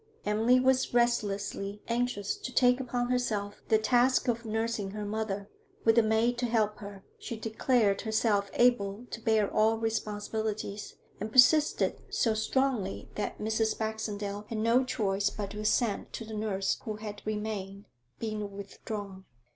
Emily was restlessly anxious to take upon herself the task of nursing her mother; with the maid to help her, she declared herself able to bear all responsibilities, and persisted so strongly that Mrs. Baxendale had no choice but to assent to the nurse who had remained being withdrawn.